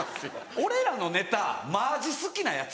俺らのネタマジ好きなヤツ